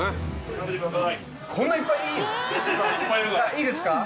いいですか。